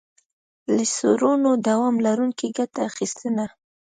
له څړونو دوام لرونکي ګټه اخیستنه.